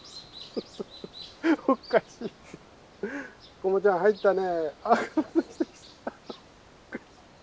コモちゃん入ったね。